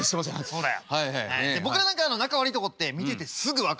そうだよ。